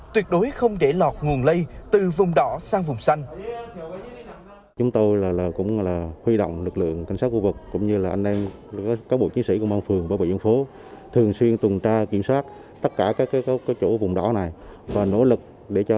tuyệt đối không để lọt nguồn lây từ vùng đỏ sang vùng xanh